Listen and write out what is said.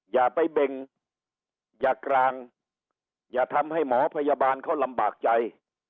อย่าไปเบ่งอย่ากลางอย่าทำให้หมอพยาบาลเขาลำบากใจ